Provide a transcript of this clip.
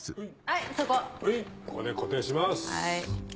はい。